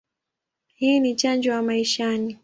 Hii ni chanjo ya maishani.